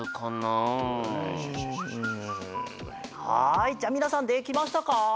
はいじゃあみなさんできましたか？